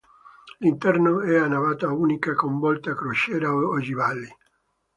L'interno è a navata unica con volte a crociera ogivali.